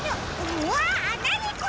うわなにこれ！？